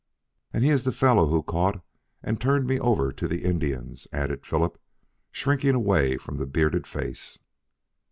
"And he is the fellow who caught and turned me over to the Indians," added Philip, shrinking away from the bearded face.